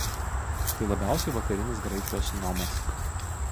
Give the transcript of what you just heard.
Tai labiausiai vakarinis Graikijos nomas.